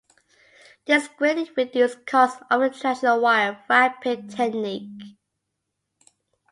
This greatly reduced costs over the traditional wire-wrapping technique.